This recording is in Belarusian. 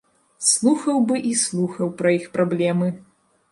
Слухаў бы і слухаў пра іх праблемы.